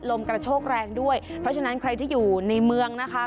ลมกระโชกแรงด้วยเพราะฉะนั้นใครที่อยู่ในเมืองนะคะ